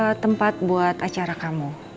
ada tempat buat acara kamu